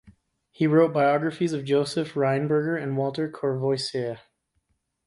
He wrote biographies of Josef Rheinberger and Walter Courvoisier.